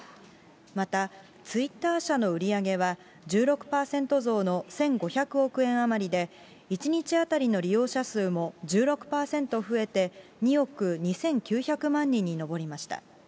また、ツイッター社の売り上げは、１６％増の１５００億円余りで、１日当たりの利用者数も１６％増えて、２億２９００万人に上りました。